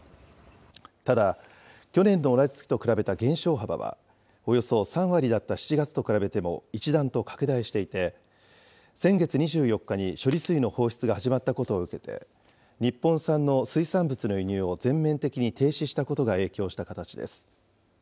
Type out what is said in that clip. ただ、去年の同じ月と比べた減少幅はおよそ３割だった７月と比べても一段と拡大していて、先月２４日に処理水の放出が始まったことを受けて、日本産の水産物の輸入を全面的に停止したことが影響した形です。